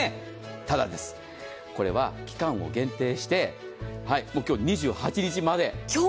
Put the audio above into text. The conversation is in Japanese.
ただです、これは期間を限定して今日２８日まで。